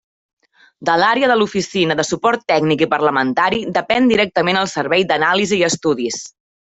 De l'Àrea de l'Oficina de Suport Tècnic i Parlamentari depèn directament el Servei d'Anàlisi i Estudis.